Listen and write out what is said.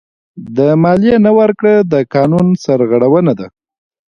د مالیې نه ورکړه د قانون سرغړونه ده.